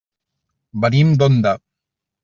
Venim d'Onda.